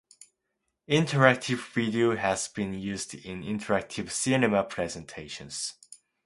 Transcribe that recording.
Interactive video has been used in interactive cinema presentations.